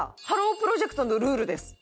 プロジェクトのルールです。